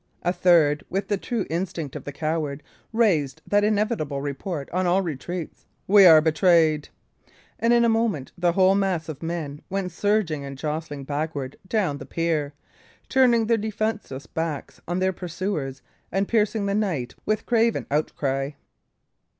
A third, with the true instinct of the coward, raised that inevitable report on all retreats: "We are betrayed!" And in a moment the whole mass of men went surging and jostling backward down the pier, turning their defenceless backs on their pursuers and piercing the night with craven outcry.